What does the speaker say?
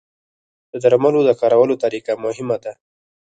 د درملو د کارولو طریقه مهمه ده.